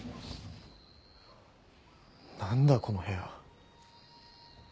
何だこの部屋。